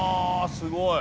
すごい！